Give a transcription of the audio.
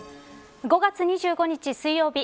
５月２５日水曜日